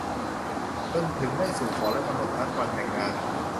จนถึงได้สู่ขอและกำหนดนัดวันแต่งงาน